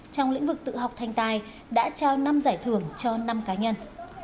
trong lĩnh vực tự học thành tài đã trao năm giải thưởng cho năm cá nhân